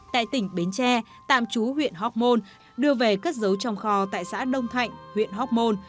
tại tỉnh bến tre tạm chú huyện hóc môn đưa về cất giấu trong kho tại xã đông thạnh huyện hóc môn